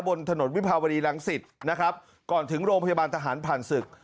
บนถนนวิภาวดีรังสิตนะครับก่อนถึงโรงพยาบาลทหารผ่านศึก